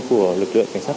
của lực lượng cảnh sát